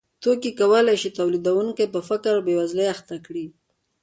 توکي کولای شي تولیدونکی په فقر او بېوزلۍ اخته کړي